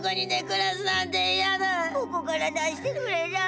ここから出してくれだ。